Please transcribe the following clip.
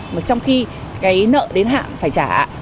mà trong khi cái nợ đến hạn phải trả